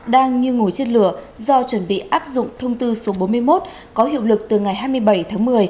đang như ngồi trên lửa do chuẩn bị áp dụng thông tư số bốn mươi một có hiệu lực từ ngày hai mươi bảy tháng một mươi